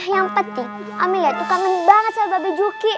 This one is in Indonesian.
yang penting amalia tuh kangen banget saya babi juki